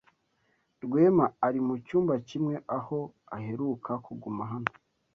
Rwema ari mucyumba kimwe aho aheruka kuguma hano.